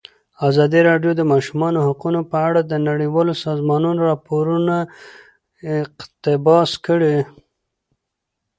ازادي راډیو د د ماشومانو حقونه په اړه د نړیوالو سازمانونو راپورونه اقتباس کړي.